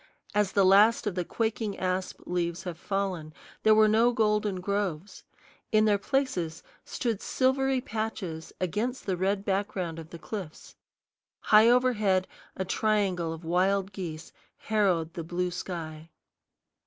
As the last of the quaking asp leaves have fallen, there were no golden groves. In their places stood silvery patches against the red background of the cliffs. High overhead a triangle of wild geese harrowed the blue sky.